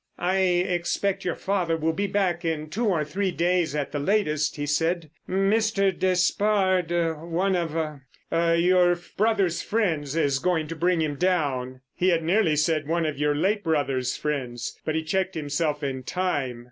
"I expect your father will be back in two or three days at the latest," he said. "Mr. Despard—one of—er—your brother's friends, is going to bring him down." He had nearly said one of your late brother's friends, but he checked himself in time.